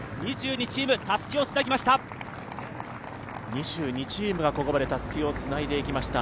２２チーム、たすきをつなぎました。